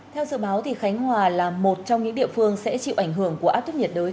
theo dự báo khánh hòa là một trong những địa phương sẽ chịu ảnh hưởng của áp thấp nhiệt đới